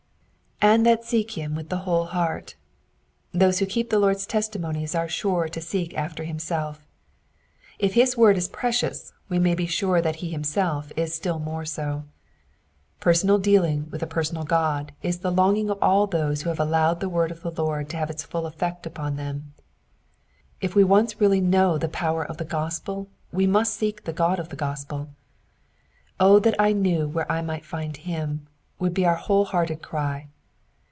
^^And that seek him with the whole hearts Those who keep the Lord's testi monies are sure to seek after himself. If his word is precious we may be sure that he himself is still more so. Personal dealing with a personal God is the longing of all those who have allowed the word of the Lord to have its full elfect upon them. If we once really know the power of the gospel we must seek the God of the gospel. O that I knew where I might find HIM," will be our whole hearted cry.